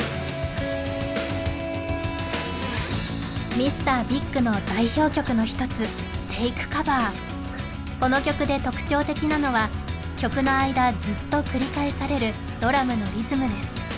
ＭＲ．ＢＩＧの代表曲の１つこの曲で特徴的なのは曲の間ずっと繰り返されるドラムのリズムです